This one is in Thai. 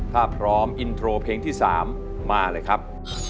ถ้าพร้อมอินโทรเพลงที่๓มาเลยครับ